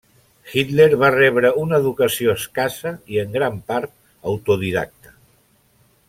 Hitler va rebre una educació escassa i en gran part autodidacta.